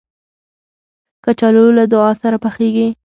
کچالو له دعا سره پخېږي